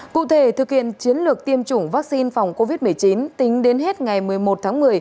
cụ thể thực hiện chiến lược tiêm chủng vaccine phòng covid một mươi chín tính đến hết ngày một mươi một tháng một mươi